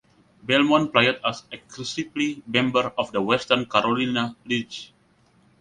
Belmont played as exclusively members of the Western Carolina League.